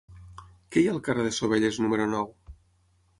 Què hi ha al carrer de Sovelles número nou?